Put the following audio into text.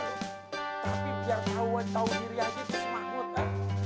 tapi biar tau tau diri aja itu si mahmud kan